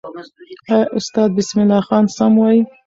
آیا استاد بسم الله خان سم وایي؟